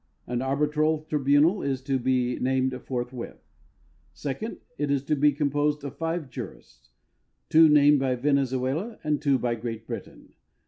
An arbitral tribunal is to be named forthwith. Second. It is to be composed of five jurists, two named by Venezuela and two by Great Britain.